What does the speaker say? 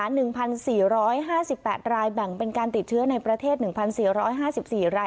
หนึ่งพันสี่ร้อยห้าสิบแปดรายแบ่งเป็นการติดเชื้อในประเทศหนึ่งพันสี่ร้อยห้าสิบสี่ราย